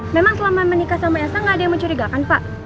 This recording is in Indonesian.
memang selama menikah sama esa gak ada yang mencurigakan pak